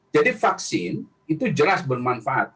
jadi vaksin itu jelas bermanfaat